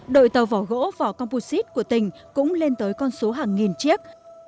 đội tàu vỏ gỗ vỏ composite của tỉnh cũng lên tới con số hàng nghìn chiếc